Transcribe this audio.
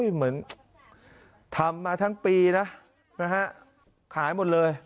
เห็นใจนะครับ